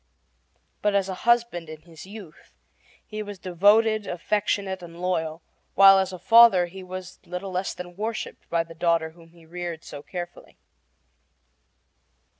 But as a husband, in his youth, he was devoted, affectionate, and loyal; while as a father he was little less than worshiped by the daughter whom he reared so carefully.